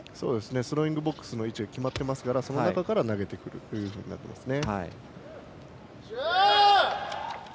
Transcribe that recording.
スローイングボックスの位置が決まってますからその中から投げていきますね。